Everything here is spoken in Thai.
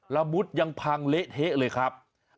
ละมุดยังพังเละเทะเลยครับ